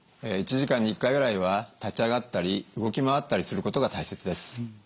１時間に１回ぐらいは立ち上がったり動き回ったりすることが大切です。